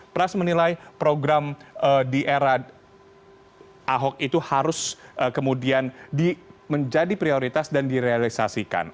pras menilai program di era ahok itu harus kemudian menjadi prioritas dan direalisasikan